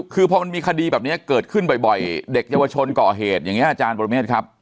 คือพอมันมีคดีแบบนี้เกิดขึ้นบ่อยเด็กเยาวชนก่อเหตุอย่างนี้อาจารย์ปรเมฆครับ